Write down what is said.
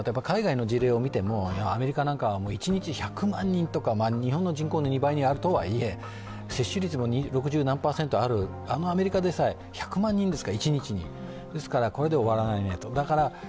海外の事例を見ても、アメリカなんかは一日１００万人とか日本の人口の倍いるとはいえ接種率も六十何％あるアメリカでさえ一日に１００万人ですからこれで終わらないなと。